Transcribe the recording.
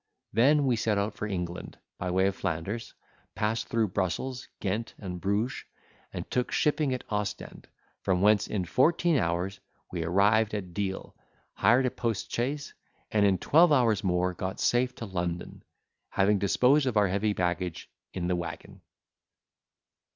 Then we set out for England by the way of Flanders, passed through Brussels, Ghent, and Bruges, and took shipping at Ostend, from whence, in fourteen hours, we arrived at Deal, hired a postchaise, and in twelve hours more got safe to London, having disposed of our heavy baggage in the waggon.